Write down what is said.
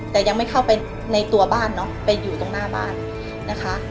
แต่ยังไม่เข้าไปในตัวบ้านเนาะไปอยู่ตรงหน้าบ้านนะคะ